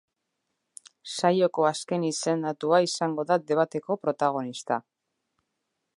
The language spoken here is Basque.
Saioko azken izendatua izango da debateko protagonista.